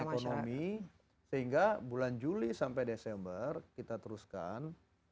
ekonomi sehingga bulan juli sampai desember kita teruskan